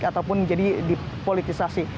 ataupun jadi dipolitisasi